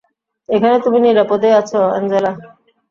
এখানে তুমি নিরাপদেই আছো, অ্যাঞ্জেলা।